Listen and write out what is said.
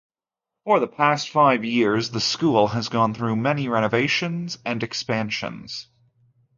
For the past five years, the school has gone through many renovations and expansions.